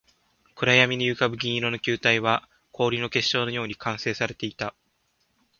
暗闇に浮ぶ銀色の球体は、氷の結晶のように完成されていた